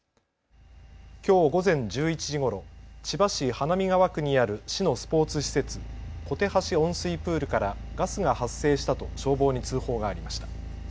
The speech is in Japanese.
きょう午前１１時ごろ、千葉市花見川区にある市のスポーツ施設、こてはし温水プールからガスが発生したと消防に通報がありました。